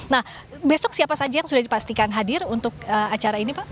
nah besok siapa saja yang sudah dipastikan hadir untuk acara ini pak